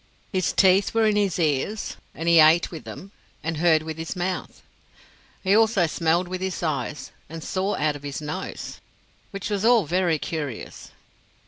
His teeth were in his ears, and he ate with them and heard with his mouth. He also smelled with his eyes and saw out of his nose which was all very curious.